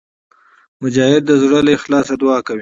مجاهد د زړه له اخلاصه دعا کوي.